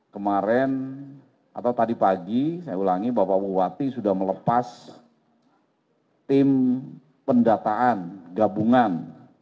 kemarin atau tadi pagi saya ulangi bapak bupati sudah melepas tim pendataan gabungan